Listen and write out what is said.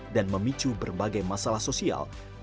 dan memicu berbagai masalah sosial